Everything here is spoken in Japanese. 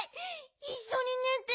いっしょにねて。